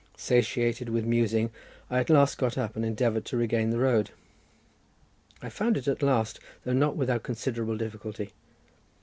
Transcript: Satiated with musing, I at last got up, and endeavoured to regain the road. I found it at last, though not without considerable difficulty.